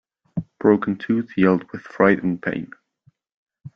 Broken-Tooth yelled with fright and pain.